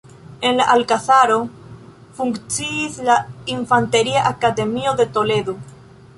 En la alkazaro funkciis la Infanteria Akademio de Toledo.